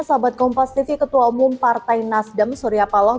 sahabat kompas tv ketua umum partai nasdem surya paloh